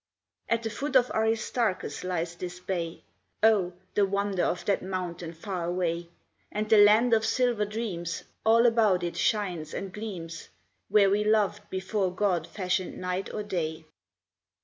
At the foot of Aristarchus lies this bay, (Oh! the wonder of that mountain far away!) And the Land of Silver Dreams all about it shines and gleams, Where we loved before God fashioned night or day.